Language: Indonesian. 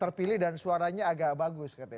terpilih dan suaranya agak bagus katanya